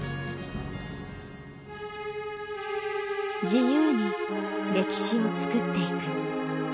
自由に歴史を作っていく。